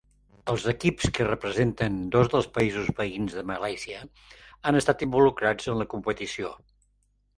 Els equips que representen dos dels països veïns de Malàisia han estat involucrats en la competició.